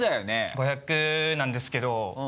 ５００なんですけど。